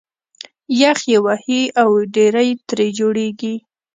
یخ یې وهي او ډېرۍ ترې جوړېږي